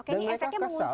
dan mereka kesal